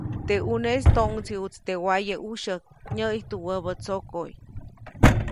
Teʼ ʼuneʼis toʼŋdsiʼuʼtsi teʼ waye ʼujsyäjk, nyäʼijtu wäbä tsokoʼy.